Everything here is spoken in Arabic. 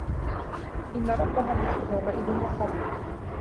إِنَّ رَبَّهُم بِهِم يَومَئِذٍ لَخَبيرٌ